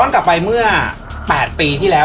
กลับไปเมื่อ๘ปีที่แล้ว